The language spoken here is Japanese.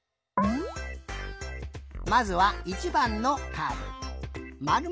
まずは１ばんのカード。